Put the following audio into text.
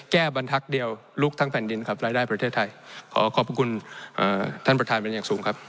บรรทักษ์เดียวลุกทั้งแผ่นดินครับรายได้ประเทศไทยขอขอบพระคุณท่านประธานเป็นอย่างสูงครับ